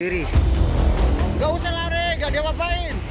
tidak usah lari tidak ada apa apa